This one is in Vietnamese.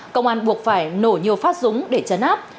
công an buộc phải nổ nhiều phát súng để chấn áp